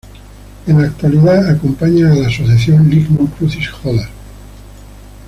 En la actualidad, acompañan a la asociación Lignum Crucis Jódar.